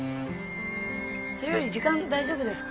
それより時間大丈夫ですか？